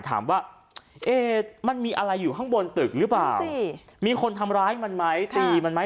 ถามว่าเอ๊ะมันมีอะไรอยู่ข้างบนตึกหรือเปล่ามีคนทำร้ายมันไหมตีมันไหม